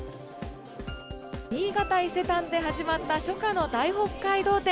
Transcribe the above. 新潟伊勢丹で始まった初夏の大北海道展。